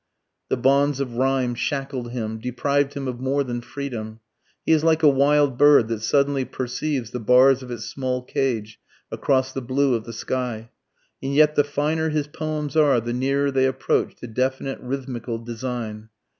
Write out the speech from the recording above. The bonds of rhyme shackled him, deprived him of more than freedom. He is like a wild bird that suddenly perceives the bars of its small cage across the blue of the sky. And yet the finer his poems are, the nearer they approach to definite rhythmical design.